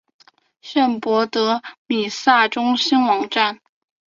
圣博德弥撒中心网站